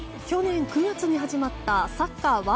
去年９月に始まったサッカー